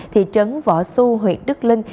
thị trấn võ xu huyện đức linh